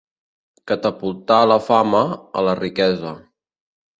Catapultar a la fama, a la riquesa.